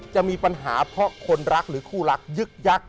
จะมีปัญหาเพราะคนรักหรือคู่รักยึกยักษ